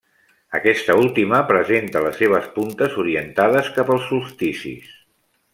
Aquesta última presenta les seves puntes orientades cap als solsticis.